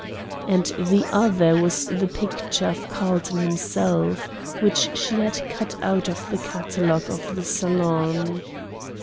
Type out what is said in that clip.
And the other was the picture of Carlton himself, which she had cut out of the catalogue of the Salon.